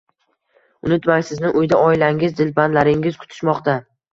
Unutmang, sizni uyda oilangiz, dilbandlaringiz kutishmoqda.